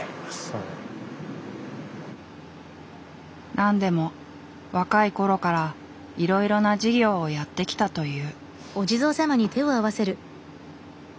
何でも若い頃からいろいろな事業をやってきたという。